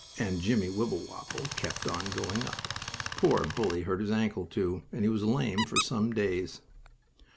and Jimmie Wibblewobble kept on going up. Poor Bully hurt his ankle, too, and he was lame for some days.